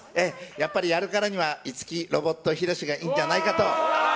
やっぱりやるからには五木ロボットひろしがいいんじゃないかと。